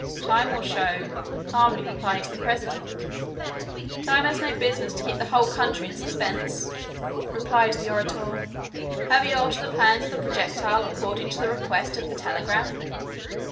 "Time will show," calmly replied the president. "Time has no business to keep a whole country in suspense," replied the orator. "Have you altered the plans of the projectile according to the request of the telegram?"